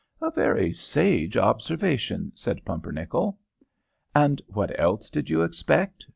"A very sage observation," said Pumpernickel. "And what else did you expect?"